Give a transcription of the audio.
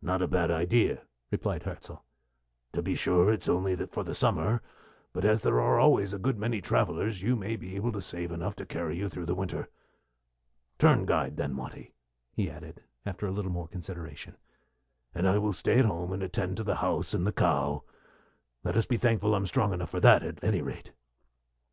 "Not a bad idea," replied Hirzel. "To be sure, it is only for the summer; but as there are always a good many travellers, you might be able to save enough to carry you through the winter. Turn guide, then, Watty," he added, after a little more consideration, "and I will stay at home and attend to the house and the cow. Let us be thankful I'm strong enough for that, at any rate."